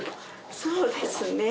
そうですね。